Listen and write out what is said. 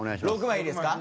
６枚いいですか？